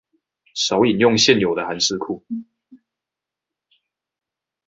少引用現有的函式庫